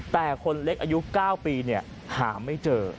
แต่คนเล็กอายุ๙ปีหาไม่เจอ